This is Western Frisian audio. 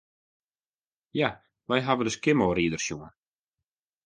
Ja, wy hawwe de Skimmelrider sjoen.